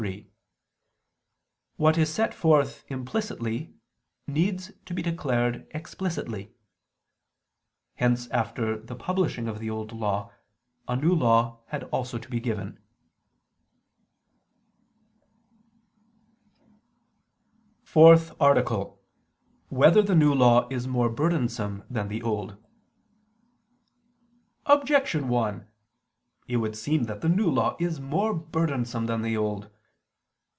3: What is set forth implicitly needs to be declared explicitly. Hence after the publishing of the Old Law, a New Law also had to be given. ________________________ FOURTH ARTICLE [I II, Q. 107, Art. 4] Whether the New Law Is More Burdensome Than the Old? Objection 1: It would seem that the New Law is more burdensome than the Old.